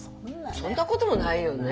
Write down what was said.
そんなこともないよね。